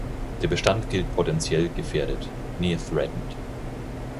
Der Bestand gilt potentiell gefährdet ("near threatened").